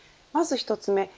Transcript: まず１つ目